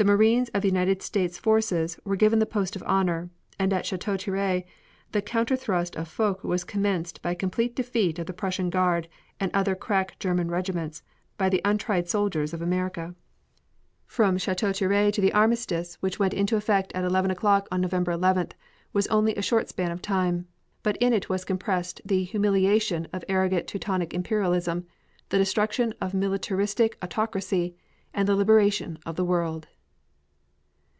The Marines of the United States forces were given the post of honor, and at Chateau Thierry the counter thrust of Foch was commenced by a complete defeat of the Prussian Guard and other crack German regiments, by the untried soldiers of America. From Chateau Thierry to the armistice which went into effect at eleven o'clock on November 11th was only a short span of time, but in it was compressed the humiliation of arrogant Teutonic imperialism, the destruction of militaristic autocracy, and the liberation of the world.